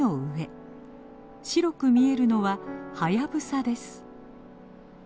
白く見えるのはハヤブサです。